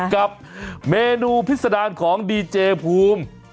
กับเมนูพิษดารของดีเจภูมิ